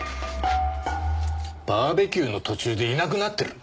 バーベキューの途中でいなくなってる？